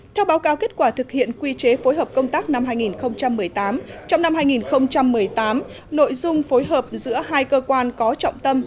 theo báo cáo kết quả thực hiện quy chế phối hợp công tác năm hai nghìn một mươi tám trong năm hai nghìn một mươi tám nội dung phối hợp giữa hai cơ quan có trọng tâm